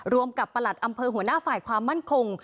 กับประหลัดอำเภอหัวหน้าฝ่ายความมั่นคง